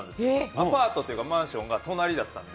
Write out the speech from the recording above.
アパートというかマンションが隣だったんで。